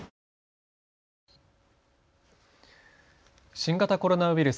新型コロナウイルス。